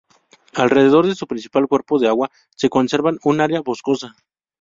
Alrededor de su principal cuerpo de agua se conserva una área boscosa.